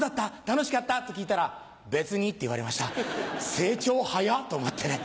楽しかった？」って聞いたら「別に」って言われました成長早っ！と思ってね。